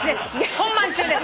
本番中です。